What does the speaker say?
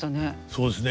そうですね。